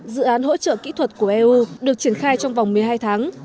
dự án hỗ trợ kỹ thuật của eu được triển khai trong vòng một mươi hai tháng